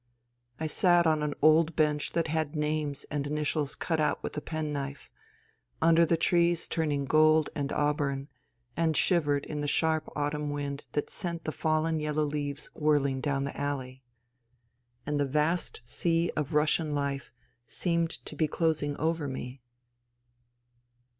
I sat on an old bench that had names and initials cut out with a pen knife, under the trees turning gold and auburn, and shivered in the sharp autumn wind that sent the fallen yellow leaves whirling down the alley. And the vast sea of Russian life seemed to be closing over me.